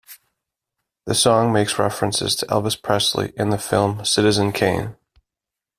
The song makes references to Elvis Presley and the film "Citizen Kane".